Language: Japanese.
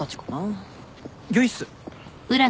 御意っす。